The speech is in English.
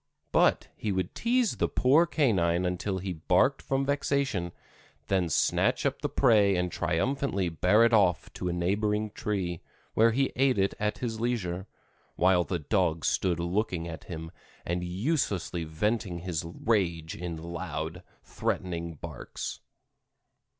But he would tease the poor canine until he barked from vexation, then snatch up the prey and triumphantly bear it off to a neighboring tree, where he ate it at his leisure, while the dog stood looking at him and uselessly venting his rage in loud, threatening barks.